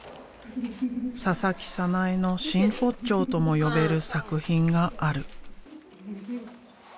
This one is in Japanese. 佐々木早苗の真骨頂とも呼べる作品がある。